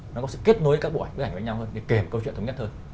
nó có sự kết nối các bộ ảnh với nhau hơn để kể một câu chuyện thống nhất hơn